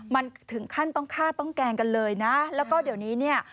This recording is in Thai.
มันถึงขั้นต้องฆ่าต้องแกล้งกันเลยนะแล้วก็เดี๋ยวนี้เนี่ย